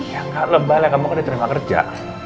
ya kak lebahlah kamu kan udah cerima kerja